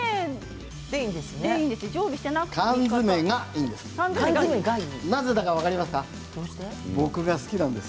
缶詰がいいんです。